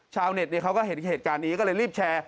ชาวเน็ตเขาก็เห็นเหตุการณ์นี้ก็เลยรีบแชร์